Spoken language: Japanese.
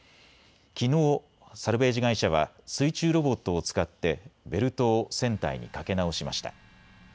きのうサルベージ会社は水中ロボットを使ってベルトを船体にかけ直しました。